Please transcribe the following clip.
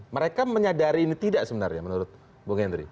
mereka menyadari ini tidak sebenarnya menurut anda